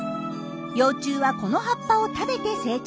幼虫はこの葉っぱを食べて成長するそうです。